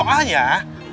apa kabar seguridad pengu